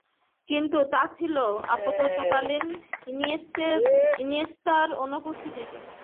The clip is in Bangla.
কিন্তু তা ছিল আপত্কালীন, ইনিয়েস্তার অনুপস্থিতিতে।